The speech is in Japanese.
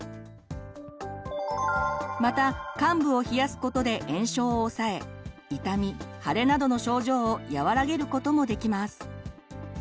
また患部を冷やすことで炎症を抑え痛み腫れなどの症状を和らげることもできます。